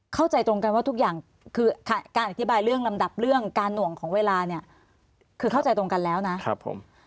เข้าใจตรงกันว่าทุกอย่างคือการอธิบายเรื่องลำดับเรื่องการหน่วงของเวลาเนี่ยคือเข้าใจตรงกันแล้วนะครับผม